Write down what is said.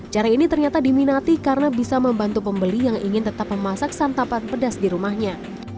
cara ini ternyata diminati karena bisa membantu pembeli yang ingin tetap memasak santapan pedas di rumahnya